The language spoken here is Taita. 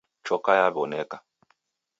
Choka yaw'oneka.